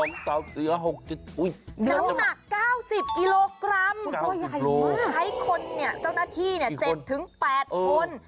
น้ำหนัก๙๐กิโลกรัมใช้คนเนี่ยเจ้าหน้าที่๗ถึง๘คน